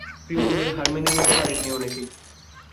প্রিয় দলের হার মেনে নিতে পারেননি অনেকেই।